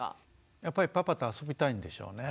やっぱりパパと遊びたいんでしょうね。